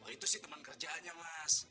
itu sih teman kerjaannya mas